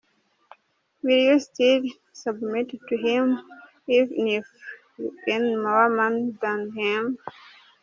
Will you still submit to him even if you earn more money than him?.